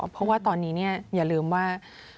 เพราะว่าตอนนี้อย่าลืมว่า